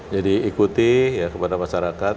jadi ikuti kepada masyarakat